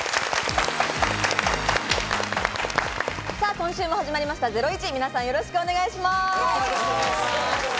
今週も始まりました『ゼロイチ』、皆さんよろしくお願いします。